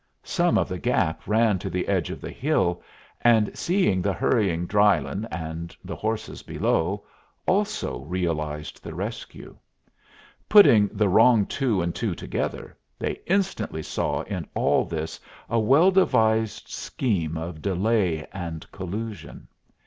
Some of the Gap ran to the edge of the hill, and, seeing the hurrying Drylyn and the horses below, also realized the rescue. Putting the wrong two and two together, they instantly saw in all this a well devised scheme of delay and collusion.